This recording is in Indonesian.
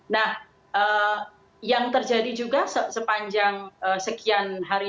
nah yang terjadi juga sepanjang sekian hari